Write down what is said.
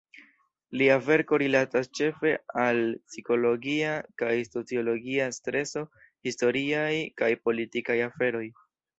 Lia verko rilatas ĉefe al psikologia kaj sociologia streso, historiaj kaj politikaj aferoj.